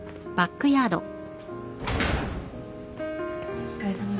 お疲れさまです。